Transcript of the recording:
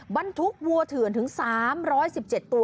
บรรทุกวัวเถื่อนถึง๓๑๗ตัว